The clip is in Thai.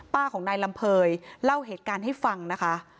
ป้าของนายลำเภยเล่าเหตุการณ์ให้ฟังนะคะ